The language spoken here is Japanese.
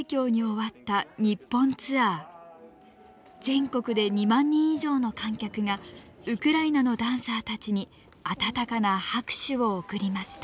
全国で２万人以上の観客がウクライナのダンサーたちに温かな拍手を送りました。